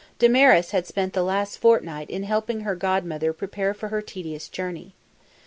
Damaris had spent the last fortnight in helping her godmother prepare for her tedious journey.